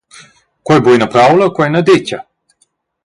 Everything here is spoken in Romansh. Quei ei buca ina praula, quei ei ina detga.